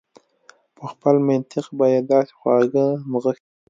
په خپل منطق به يې داسې خواږه نغښتي و.